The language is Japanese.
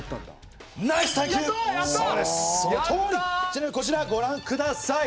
ちなみにこちらご覧ください。